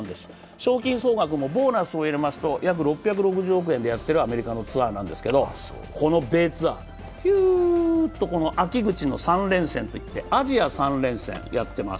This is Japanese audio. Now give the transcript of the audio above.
賞金総額もボーナスも入れますと６５０億円でやってるアメリカのツアーなんですが、この米ツアー、ひゅーっと秋口の３連戦といってアジア３連戦やってます。